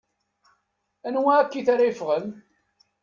Anwa akkit ara yeffɣen?